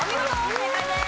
正解です。